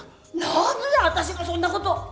何で私がそんな事を！